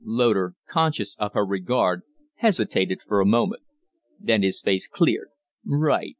Loder, conscious of her regard, hesitated for a moment. Then his face cleared. "Right!"